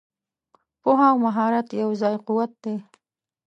پوهه او مهارت یو ځای قوت دی.